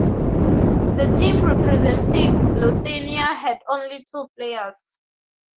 The team representing Lithuania had only two players.